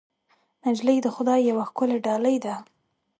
نجلۍ د خدای یوه ښکلی ډالۍ ده.